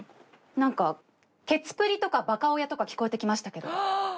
何かケツぷりとかバカ親とか聞こえてきましたけど。